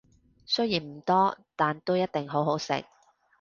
雖然唔多，但都一定好好食